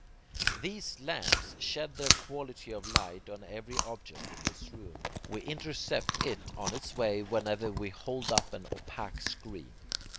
These lamps shed their quality of light on every object in this room. We intercept IT on its way whenever we hold up an opaque screen.